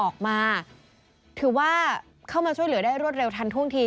คือว่าเข้ามาช่วยเหลือได้รวดเร็วทันทันทุ่งที